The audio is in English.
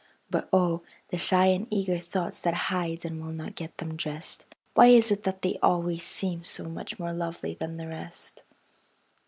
But oh, the shy and eager thoughts That hide and will not get them dressed, Why is it that they always seem So much more lovely than the rest?